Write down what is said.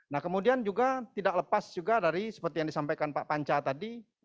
nah kemudian juga tidak lepas juga dari seperti yang disampaikan pak panca tadi